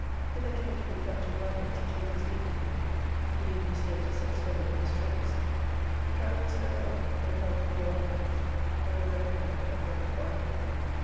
Hither came to me Captain Lambert to take his leave of me, he being this day to set sail for the Straights. We drank his farewell and a health to all our friends, and were very merry, and drank wine enough.